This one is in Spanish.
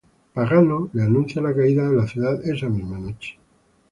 Pagano le anuncia la caída de la ciudad esa misma noche.